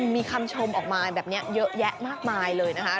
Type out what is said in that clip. มีคำชมออกมาแบบนี้เยอะแยะมากมายเลยนะคะ